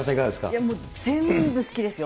いや、もう全部好きですよ。